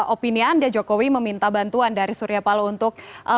opini anda jokowi meminta bantuan dari surya palo untuk